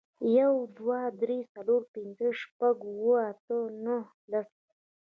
یو, دوه, درې, څلور, پنځه, شپږ, اووه, اته, نه, لس